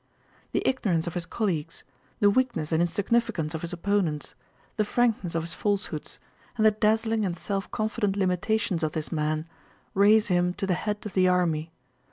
The ignorance of his colleagues, the weakness and insignificance of his opponents, the frankness of his falsehoods, and the dazzling and self confident limitations of this man raise him to the head of the army.